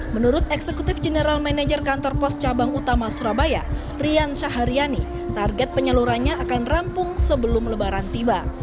menurut eksekutif general manager kantor pos cabang utama surabaya rian syaharyani target penyalurannya akan rampung sebelum lebaran tiba